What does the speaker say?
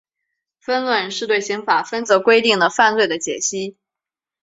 分论是对刑法分则规定的犯罪的解析。